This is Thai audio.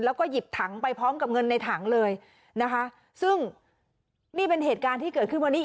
แล้วก็หยิบถังไปพร้อมกับเงินในถังเลยนะคะซึ่งนี่เป็นเหตุการณ์ที่เกิดขึ้นวันนี้